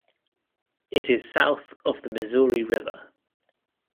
It is south of the Missouri River.